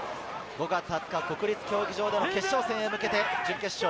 ５月２０日、国立競技場での決勝戦へ向けての準決勝。